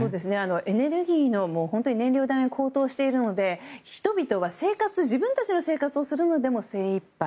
エネルギー燃料代高騰しているので人々は、自分たちの生活をするのでも精いっぱい。